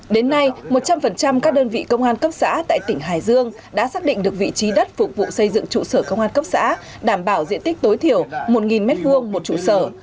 đến nay một trăm linh các đơn vị công an cấp xã tại tỉnh hải dương đã xác định được vị trí đất phục vụ xây dựng trụ sở công an cấp xã đảm bảo diện tích tối thiểu một m hai một trụ sở